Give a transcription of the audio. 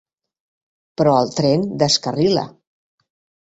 Però el tren descarrila.